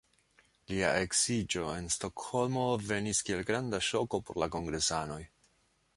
Lia eksiĝo en Stokholmo venis kiel granda ŝoko por la kongresanoj.